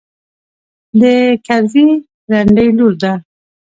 د کرزي رنډۍ لور ده.